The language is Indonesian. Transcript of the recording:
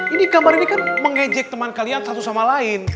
ini kabar ini kan mengejek teman kalian satu sama lain